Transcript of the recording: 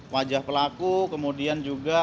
wajah pelaku kemudian juga